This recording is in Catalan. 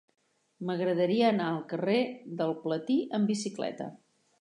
M'agradaria anar al carrer del Platí amb bicicleta.